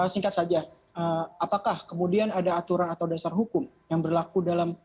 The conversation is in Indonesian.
singkat saja apakah kemudian ada aturan atau dasar hukum yang berlaku dalam